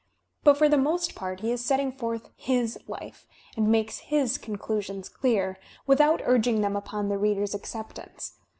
But for the most part he is setting forth Ms life and makes his conclusions dear, without urging them upon the reader's acceptance.